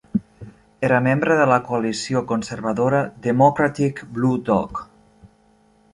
Era membre de la coalició conservadora Democratic Blue Dog.